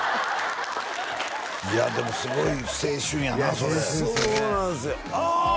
いやでもすごい青春やなそれそうなんですよあ！